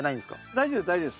大丈夫です大丈夫です。